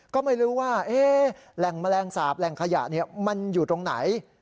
ก็ไม่รู้ว่าแหล่งแมลงสาปแหล่งขยะมันอยู่ตรงไหน